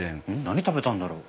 何食べたんだろう？